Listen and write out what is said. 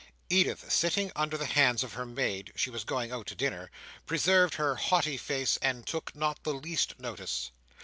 Edith, sitting under the hands of her maid—she was going out to dinner—preserved her haughty face, and took not the least notice.